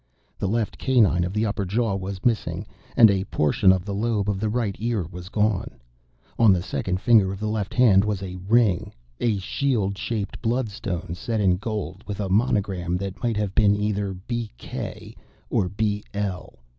The left canine of the upper jaw was missing, and a portion of the lobe of the right ear was gone. On the second finger of the left hand was a ring a shield shaped bloodstone set in gold, with a monogram that might have been either "B.K." or "B.L."